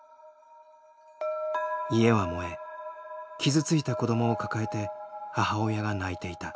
家は燃え傷ついた子供を抱えて母親が泣いていた。